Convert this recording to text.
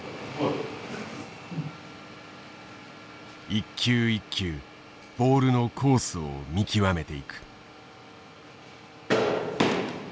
一球一球ボールのコースを見極めていく。